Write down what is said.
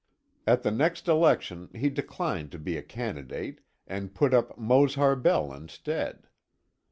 At the next election he declined to be a candidate, and put up Mose Harbell instead.